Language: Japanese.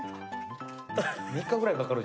３日ぐらいかかる。